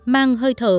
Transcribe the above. mang hơi thở